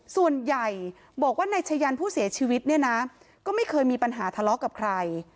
ส่วนใหญ่บอกว่านายชะยันผู้เสียชีวิตเนี่ยนะก็ไม่เคยมีปัญหาทะเลาะกับใคร